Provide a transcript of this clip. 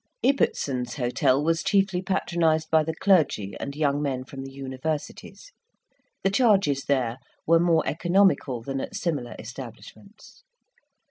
Ibbetson's hotel was chiefly patronized by the clergy and young men from the universities. The charges there were more economical than at similar establishments.